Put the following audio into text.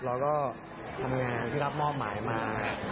เราก็ทำงานที่รับมอบหมายมา